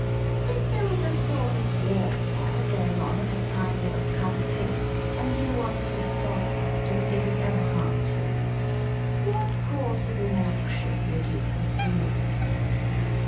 If there was a sort of warfare going on in a kind of a country, and you wanted to stop it, and didn't know how to, what course of inaction would you pursue